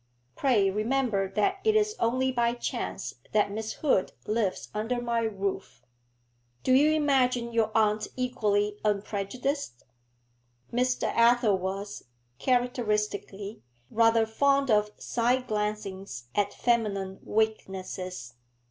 'Pray remember that it is only by chance that Miss Hood lives under my roof. Do you imagine your aunt equally unprejudiced?' Mr. Athel was, characteristically, rather fond of side glancings at feminine weaknesses.